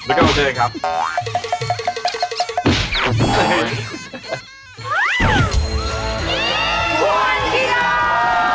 เดี๋ยวก็เข้าเถอะอีกครับ